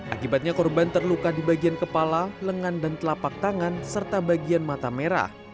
akibatnya korban terluka di bagian kepala lengan dan telapak tangan serta bagian mata merah